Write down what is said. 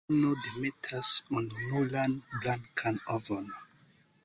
La ino demetas ununuran blankan ovon.